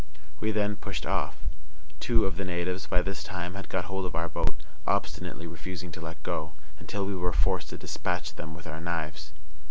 We then pushed off. Two of the natives by this time had got hold of our boat, obstinately refusing to let go, until we were forced to despatch them with our knives.